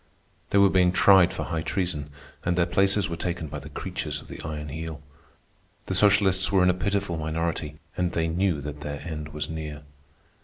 They were being tried for high treason, and their places were taken by the creatures of the Iron Heel. The socialists were in a pitiful minority, and they knew that their end was near.